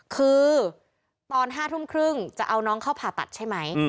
คือตอน๕ทุ่มครึ่งจะเอาน้องเข้าผ่าตัดใช่ไหม